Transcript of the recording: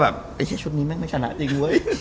แบบเฮ้ยชุดนี้เป็นไงไม่ชนะจริง